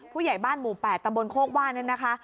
ผู้ใหญ่บ้านหมู่๘ตำบลโคกว่านเนี่ยนะคะ